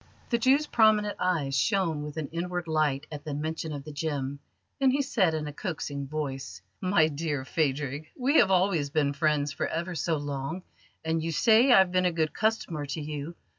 The Jew's prominent eyes shone with an inward light at the mention of the gem, and he said in a coaxing voice: "My dear Phadrig, we have always been friends for ever so long, and you say I've been a good customer to you.